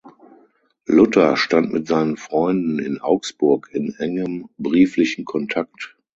Luther stand mit seinen Freunden in Augsburg in engem brieflichen Kontakt.